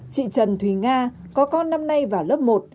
chị trần thùy nga có con năm nay vào lớp một